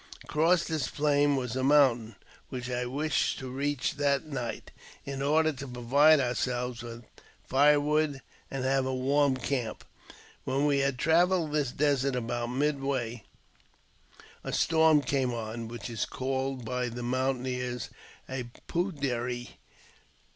Across this plain was a mountain, which I wished to reach that night, order to provide ourselves with fire wood and have a wa; camp. When we had traversed this desert about midway, storm came on, which is called by the mountaineers a Poo •der ee.